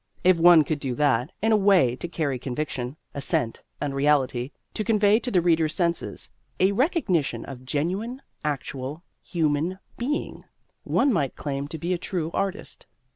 If one could do that, in a way to carry conviction, assent, and reality, to convey to the reader's senses a recognition of genuine actual human being, one might claim to be a true artist.